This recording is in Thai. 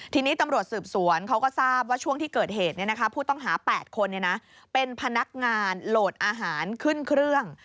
ทีนี้ตำรวจสืบสวนเขาก็ทราบว่าช่วงที่เกิดเหตุผู้ต้องหา๘คนเป็นพนักงานโหลดอาหารขึ้นเครื่อง